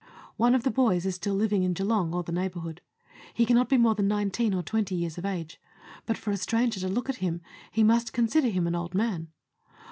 One of the boys is still living in Geelong or the neighbourhood. He cannot be more than nine teen or twenty years of age ; but for a stranger to look at him he must consider him an old man.